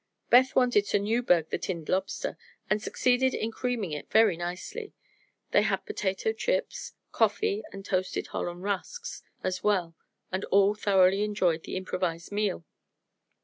Beth wanted to "Newburg" the tinned lobster, and succeeded in creaming it very nicely. They had potato chips, coffee and toasted Holland rusks, as well, and all thoroughly enjoyed the improvised meal.